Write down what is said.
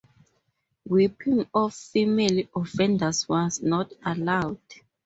Whipping of female offenders was not allowed.